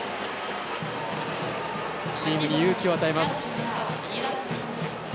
チームに勇気を与えます。